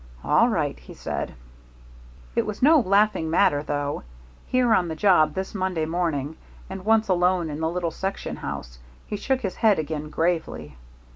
"All right," he said. It was no laughing matter, though, here on the job this Monday morning, and, once alone in the little section house, he shook his head again gravely.